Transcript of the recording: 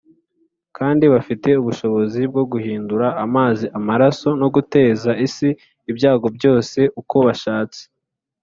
kandi bafite ubushobozi bwo guhindura amazi amaraso no guteza isi ibyago byose uko bashatse.